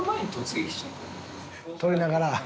撮りながら。